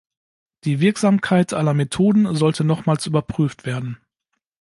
Die Wirksamkeit aller Methoden sollte nochmals überprüft werden.